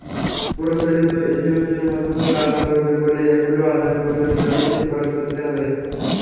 প্রচলিত এসএমএসের মতো কাজ করবে বলে এগুলো আদান-প্রদানে যথারীতি খরচ করতে হবে।